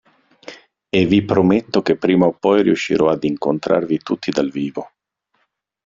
E vi prometto che prima o poi riuscirò ad incontrarvi tutti dal vivo!